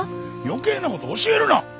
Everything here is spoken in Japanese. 余計なことを教えるな。